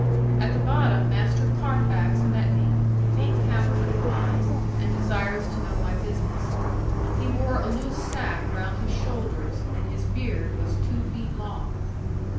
At the bottom Master Carfax met me, being captain of the mine, and desirous to know my business. He wore a loose sack round his shoulders, and his beard was two feet long.